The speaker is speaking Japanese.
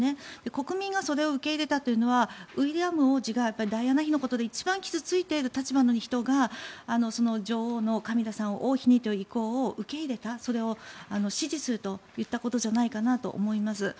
国民がそれを受け入れたというのはウィリアム王子がダイアナ妃のことで一番傷付いている立場の人が女王のカミラさんを王妃にという意向を受け入れたそれを支持すると言ったことじゃないかと思います。